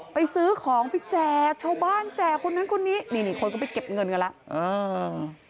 ซื้อของไปแจกชาวบ้านแจกคนนั้นคนนี้นี่คนก็ไปเก็บเงินกันแล้วอ่า